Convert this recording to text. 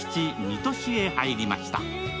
・水戸市へ入りました